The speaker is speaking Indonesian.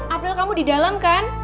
april kamu di dalam kan